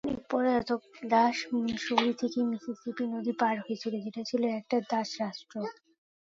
অনেক পলাতক দাস মিসৌরি থেকে মিসিসিপি নদী পার হয়েছিল, যেটা ছিল একটা দাস রাষ্ট্র।